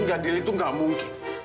gak deli itu gak mungkin